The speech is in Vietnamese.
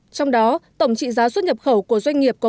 trong đó tổng trị giá xuất nhập khẩu của doanh nghiệp có